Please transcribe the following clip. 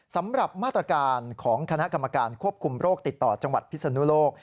สำหรับมาตรการของคณะกรรมการควบคุมโรคติดต่อจังหวัดพิศนุโลก